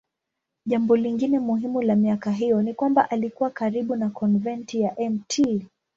Jambo lingine muhimu la miaka hiyo ni kwamba alikuwa karibu na konventi ya Mt.